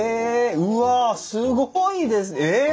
うわすごいですえっ！